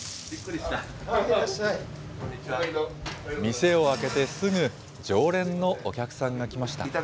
店を開けてすぐ、常連のお客さんが来ました。